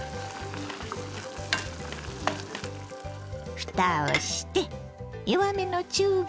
ふたをして弱めの中火。